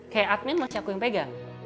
kayak admin masih aku yang pegang